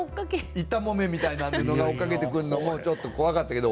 一反木綿みたいな布が追っかけてくるのもちょっと怖かったけど。